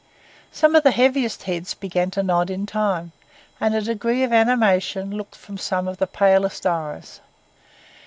Some of the heaviest heads began to nod in time, and a degree of animation looked from some of the palest eyes.